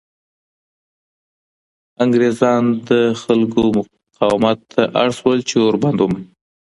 انګریزان د خلکو مقاومت ته اړ شول چې اوربند ومني.